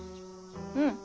うん。